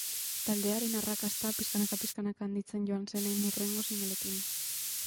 Taldearen arrakasta, pixkanaka-pixkanaka handitzen joan zen hain hurrengo singleekin.